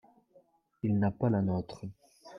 Il n’a pas la nôtre.